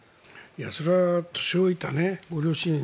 それは年老いたご両親